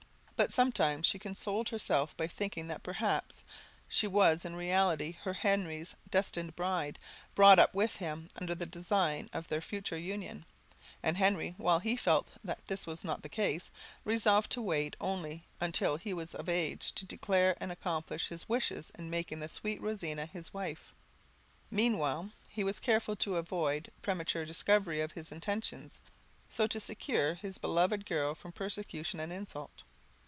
But sometimes she consoled herself by thinking that perhaps she was in reality her Henry's destined bride, brought up with him under the design of their future union; and Henry, while he felt that this was not the case, resolved to wait only until he was of age to declare and accomplish his wishes in making the sweet Rosina his wife. Meanwhile he was careful to avoid premature discovery of his intentions, so to secure his beloved girl from persecution and insult.